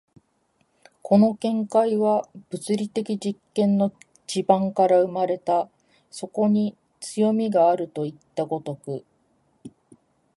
この見解は物理的実験の地盤から生まれた、そこに強味があるといった如く。